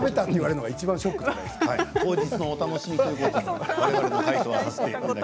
当日のお楽しみということで。